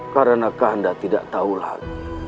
karena kanda tidak tahu lagi